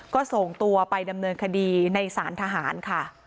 ก็ส่งตัวไปดำเนินคดีในสารทหารค่ะ